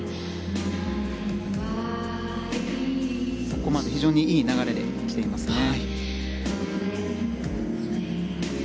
ここまで非常にいい流れで来ていますね。